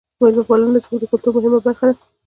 میلمه پالنه زموږ د کلتور مهمه برخه ده.